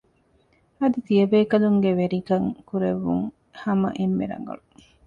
އަދި ތިޔަބޭކަލުންގެ ވެރިކަން ކުރެއްވުން ހަމަ އެންމެ ރަނގަޅު